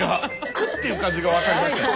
クッていう感じが分かりました。